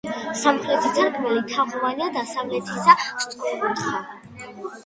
სამხრეთის სარკმელი თაღოვანია, დასავლეთისა სწორკუთხა.